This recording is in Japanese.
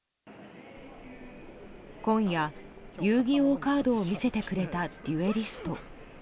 今夜、遊戯王カードを見せてくれたデュエリスト。